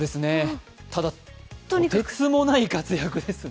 ただ、とてつもない活躍ですね。